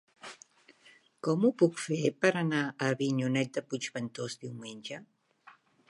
Com ho puc fer per anar a Avinyonet de Puigventós diumenge?